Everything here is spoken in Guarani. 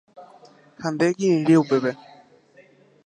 ¡Ha nde ekirirĩ upépe!